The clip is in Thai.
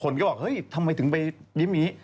คนก็บอกทำไมถึงไปยิ้มอย่างนี้